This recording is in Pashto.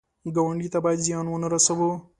ګاونډي ته باید زیان ونه رسوو